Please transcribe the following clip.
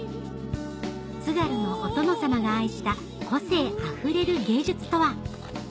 津軽のお殿様が愛した個性あふれる芸術とは？